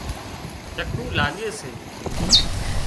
چڪُولاڳي سي